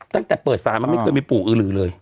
ตั้งแต่เปิดศาลมันไม่เคยมีปู่อือลือเลย